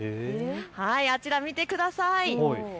あちら、見てください。